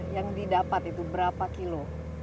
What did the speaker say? yang didapat itu berapa kilo